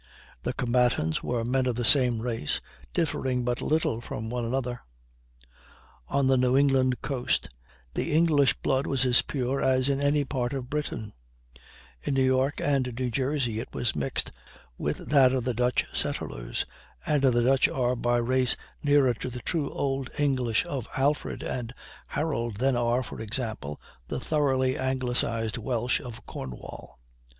The combatants were men of the same race, differing but little from one another. On the New England coast the English blood was as pure as in any part of Britain; in New York and New Jersey it was mixed with that of the Dutch settlers and the Dutch are by race nearer to the true old English of Alfred and Harold than are, for example, the thoroughly anglicized Welsh of Cornwall.